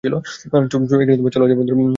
চলো যাই, বন্ধুরা।